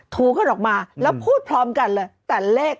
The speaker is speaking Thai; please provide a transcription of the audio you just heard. ถูเขาดอกมาแล้วพูดพร้อมกันเลย